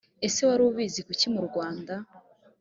ese wari ubizi kuki murwanda